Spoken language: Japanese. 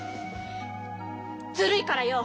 ずるいからよ！